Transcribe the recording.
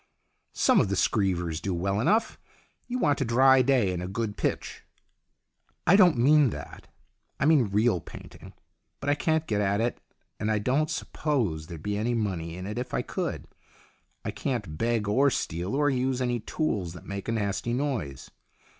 "Some of the screevers do well enough. You want a dry day and a good pitch." " I don't mean that. I mean real painting. But I can't get at it, and I don't suppose there'd be any money in it if I could. I can't beg, or steal, or use any tools that make a nasty noise.